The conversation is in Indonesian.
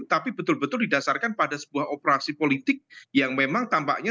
tapi betul betul didasarkan pada sebuah operasi politik yang memang tampaknya